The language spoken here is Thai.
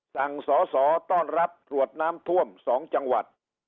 สั่งสอสอต้อนรับถวดน้ำท่วม๒จังหวัด